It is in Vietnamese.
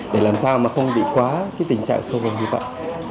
để làm sao mà không bị quá cái tình trạng sâu vầng như vậy